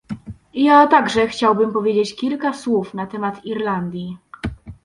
Ja także chciałbym powiedzieć kilka słów na temat Irlandii